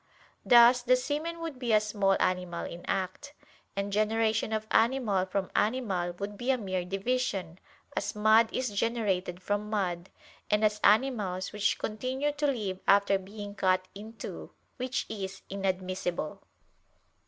Thus the semen would be a small animal in act; and generation of animal from animal would be a mere division, as mud is generated from mud, and as animals which continue to live after being cut in two: which is inadmissible.